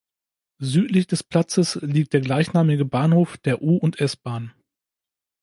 Südlich des Platzes liegt der gleichnamige Bahnhof der U- und S-Bahn.